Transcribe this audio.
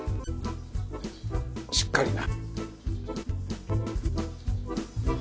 しっかりな！